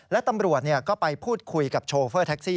และตำรวจก็ไปพูดคุยกับโชเฟอร์แท็กซี่